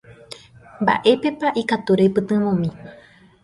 Mba'épepa ikatu roipytyvõmi.